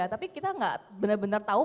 tapi kita gak bener bener tau